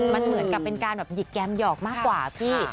มันเหมือนกับเป็นการแบบหยิกแกมหยอกมากกว่าพี่